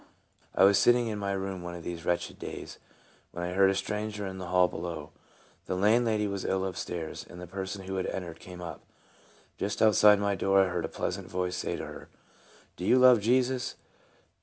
I was sitting in my room one of these wretched days, when I heard a stranger in the hall be low. The landlady was ill up stairs, and the person who had entered came up. Just out side my door I heard a pleasant voice say to her, " Do you love Jesus